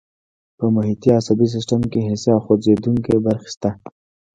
په محیطي عصبي سیستم کې حسي او خوځېدونکي برخې شته.